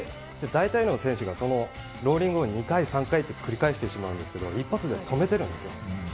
大体の選手がそのローリングを２回、３回って繰り返してしまうんですけど、一発で止めてるんですよ。